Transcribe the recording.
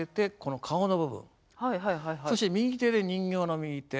そして右手で人形の右手。